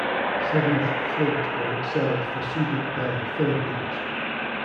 Seventh Fleet when it sailed for Subic Bay, Philippines.